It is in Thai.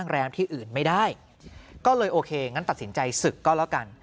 โรงแรมที่อื่นไม่ได้ก็เลยโอเคงั้นตัดสินใจศึกก็แล้วกัน